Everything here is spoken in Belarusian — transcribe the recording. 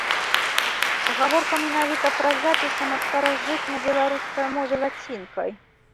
Гаворка менавіта пра запісы на старажытнабеларускай мове лацінкай.